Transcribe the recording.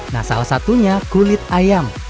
nah salah satunya kulit ayam